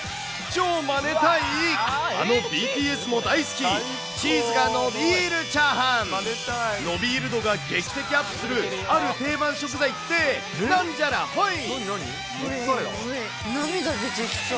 超マネたい、あのＢＴＳも大好き、チーズがのびーるチャーハン。のびーる度が劇的アップするある定番食材って、なんじゃらほい。